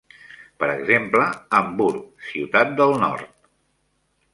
Per exemple, Hamburg, ciutat del nord!